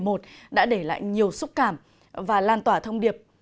năm hai nghìn một mươi bảy tháng một mươi một đã để lại nhiều xúc cảm và lan tỏa thông điệp